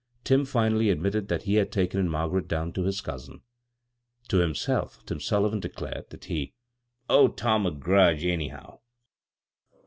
Tim finally admitted that he had taken Mar garet down to his cousin. To himself Tim Sullivan declared that he "owed Tom a grudge, anyhow."